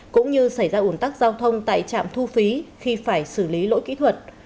cũng như xảy ra ủn tắc giao thông tại trạm thu phí khi phải xử lý lỗi kỹ thuật